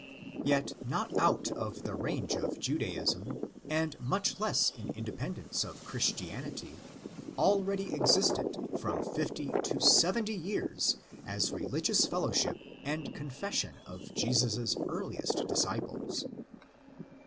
Yet not out of the range of Judaism, and much less in independence of Christianity, already existent from fifty to seventy years as religious fellowship and confession of Jesus' earliest disciples.